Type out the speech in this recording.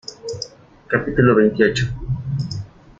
capítulo veintiocho.